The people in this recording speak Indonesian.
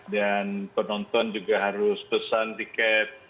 dan penonton juga harus pesan tiket